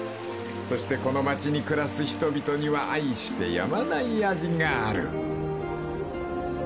［そしてこの町に暮らす人々には愛してやまない味がある］